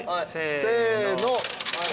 せの。